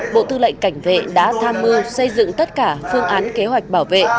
bộ tư lệnh cảnh vệ đã tham mưu xây dựng tất cả phương án kế hoạch bảo vệ